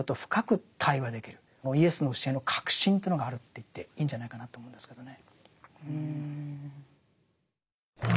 イエスの教えの核心というのがあると言っていいんじゃないかなと思うんですけどね。